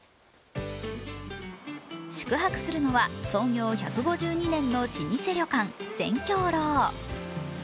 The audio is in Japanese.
宿泊するのは創業２１５２年の老舗旅館、仙郷楼。